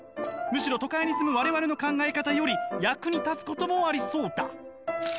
むしろ都会に住む我々の考え方より役に立つこともありそうだ」。